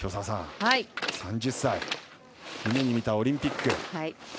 ３０歳、夢に見たオリンピック。